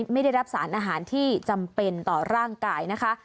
ไม่ได้รับสารอาหารที่จำเป็นต่อร่างกายนะคะ